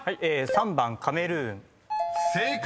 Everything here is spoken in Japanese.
３番「カメルーン」［正解！